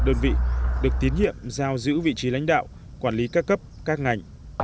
đơn vị được tiến nhiệm giao giữ vị trí lãnh đạo quản lý các cấp các ngành